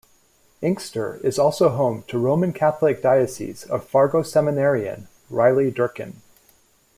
Inkster is also home to Roman Catholic Diocese of Fargo seminarian, Riley Durkin.